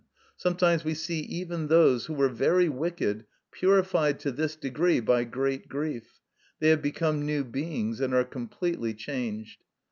Sometimes we see even those who were very wicked purified to this degree by great grief; they have become new beings and are completely changed.